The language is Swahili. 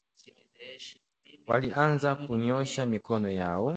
Walianza kunyoosha mikono yao